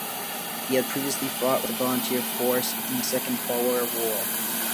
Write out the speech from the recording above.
He had previously fought with a volunteer force in the Second Boer War.